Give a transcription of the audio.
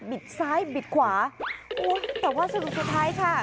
ซ้ายบิดขวาโอ้ยแต่ว่าสรุปสุดท้ายค่ะ